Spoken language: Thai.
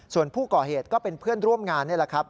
ส่วนผู้ก่อเหตุก็เป็นเพื่อนร่วมงานนี่แหละครับ